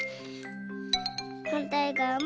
はんたいがわも。